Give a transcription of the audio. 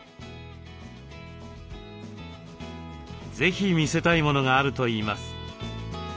是非見せたいものがあるといいます。